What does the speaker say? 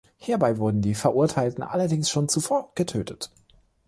Hierbei wurden die Verurteilten allerdings schon zuvor getötet.